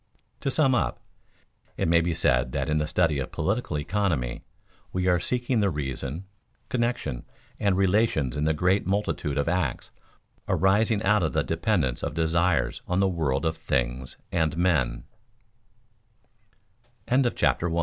To sum up, it may be said that in the study of political economy we are seeking the reason, connection, and relations in the great multitude of acts arising out of the dependence of desires on the world of things and m